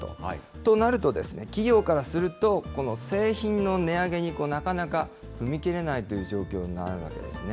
となるとですね、企業からすると、この製品の値上げになかなか踏み切れないという状況になるわけですね。